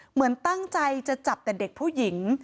เหมือนตั้งใจจะจับแต่เด็กผู้หญิง